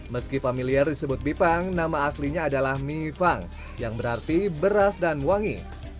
meski familiar disebut bipang nama aslinya adalah mi fang yang berarti beras dan wangi